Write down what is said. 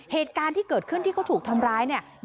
เหตุการณ์ที่เกิดขึ้นที่เขาถูกทำร้ายเนี่ย